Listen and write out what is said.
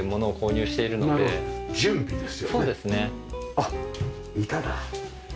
あっ板だ。